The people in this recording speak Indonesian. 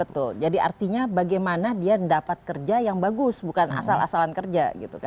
betul jadi artinya bagaimana dia dapat kerja yang bagus bukan asal asalan kerja